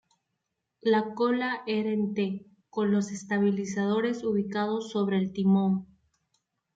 La cola era en T, con los estabilizadores ubicados sobre el timón.